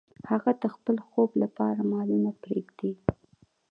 هغه د خپل خوب لپاره مالونه پریږدي.